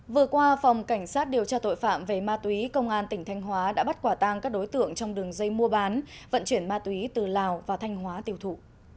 vừa qua phòng cảnh sát điều tra tội phạm về ma túy công an tỉnh thanh hóa đã bắt quả tang các đối tượng trong đường dây mua bán vận chuyển ma túy từ lào và thanh hóa tiêu thụ